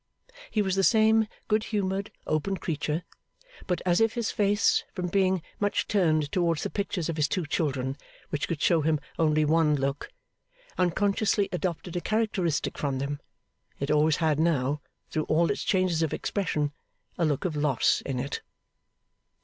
He was the same good humoured, open creature; but as if his face, from being much turned towards the pictures of his two children which could show him only one look, unconsciously adopted a characteristic from them, it always had now, through all its changes of expression, a look of loss in it.